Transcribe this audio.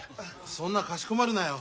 そんなかしこまるなよ。